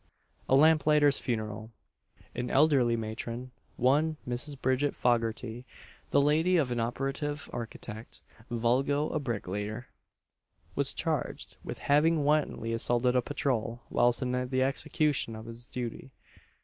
A LAMPLIGHTER'S FUNERAL. An elderly matron, one Mrs. Bridget Foggarty the lady of an operative architect (vulgo a bricklayer) was charged with having wantonly assaulted a patrol, whilst in the execution of his duty.